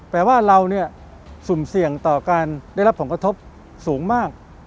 แปลว่าเราเนี่ยสุ่มเสี่ยงต่อการได้รับผลกระทบสูงมาก